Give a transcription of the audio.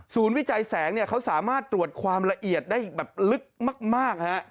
วิจัยแสงเนี่ยเขาสามารถตรวจความละเอียดได้แบบลึกมากฮะ